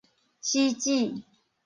死子